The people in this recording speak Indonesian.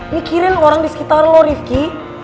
mikirin orang di sekitar lu rifqi